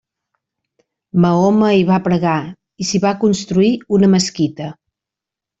Mahoma hi va pregar i s'hi va construir una mesquita.